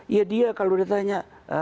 ya dia kalau ditanya